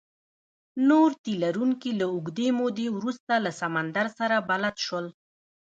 نور تي لرونکي له اوږدې مودې وروسته له سمندر سره بلد شول.